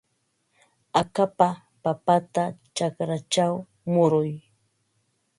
Akapa papata chakrachaw muruy.